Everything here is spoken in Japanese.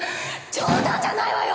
冗談じゃないわよ！